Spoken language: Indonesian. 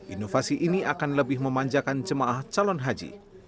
inovasi ini akan lebih memanjakan jemaah calon haji